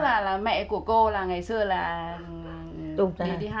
gần ba mươi năm ba mươi năm tuổi của tôi hãy gọi là tên nữ trung thành